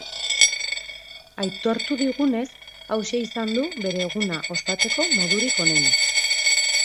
Aitortu digunez, hauxe izan du bere eguna ospatzeko modurik onena.